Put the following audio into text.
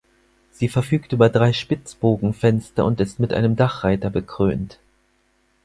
Sie verfügt über drei Spitzbogenfenster und ist mit einem Dachreiter bekrönt.